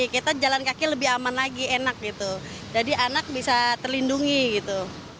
kita jalan kaki lebih aman lagi enak gitu jadi anak bisa terlindungi gitu